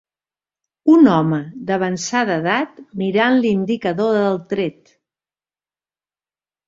Un home d"avançada edat mirant l"indicador del tret.